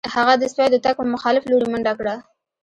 هغه د سپیو د تګ په مخالف لوري منډه کړه